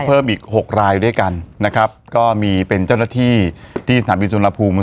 เพิ่มอีกหกรายด้วยกันนะครับก็มีเป็นเจ้าหน้าที่ที่สถานบินสุรภูมิ